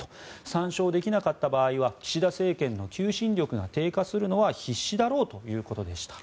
３勝できなかった場合は岸田政権の求心力が低下するのは必至だろうということでした。